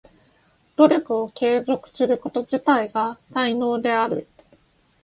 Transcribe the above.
努力を継続すること自体が才能である。